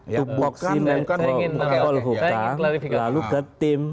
tupoksi menkopol hukam lalu ke tim